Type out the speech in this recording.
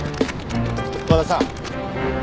和田さん。